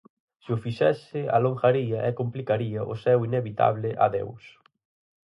Se o fixese alongaría e complicaría o seu inevitable adeus.